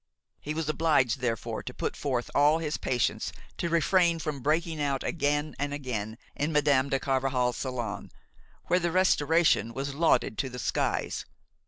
He was obliged therefore to put forth all his patience to refrain from breaking out again and again in Madame de Carvajal's salon, where the Restoration was lauded to the skies.